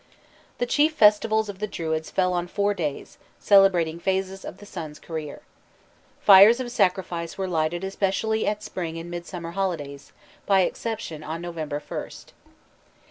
The chief festivals of the Druids fell on four days, celebrating phases of the sun's career. Fires of sacrifice were lighted especially at spring and midsummer holidays, by exception on November 1st.